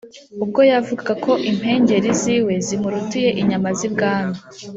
ubwo yavugaga ko impengeri z'iwe zimurutiye inyama z' ibwami.